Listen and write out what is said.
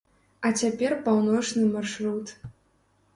А цяпер паўночны маршрут.